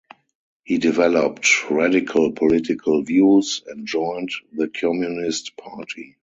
He developed radical political views, and joined the Communist Party.